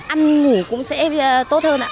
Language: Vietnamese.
ăn ngủ cũng sẽ tốt hơn